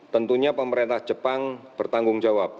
tentunya pemerintah jepang bertanggung jawab